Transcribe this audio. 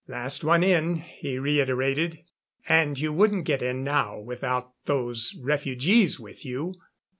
"Last one in," he reiterated. "And you wouldn't get in now without those refugees with you.